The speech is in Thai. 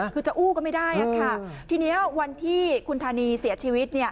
คือจะอู้ก็ไม่ได้ค่ะทีนี้วันที่คุณธานีเสียชีวิต